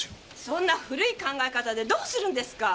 そんな古い考え方でどうするんですか！